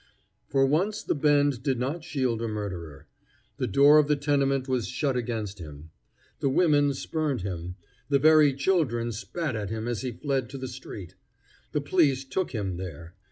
For once the Bend did not shield a murderer. The door of the tenement was shut against him. The women spurned him. The very children spat at him as he fled to the street. The police took him there.